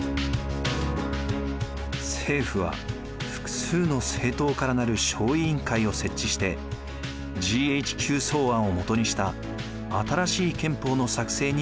政府は複数の政党から成る小委員会を設置してＧＨＱ草案をもとにした新しい憲法の作成に取り組みます。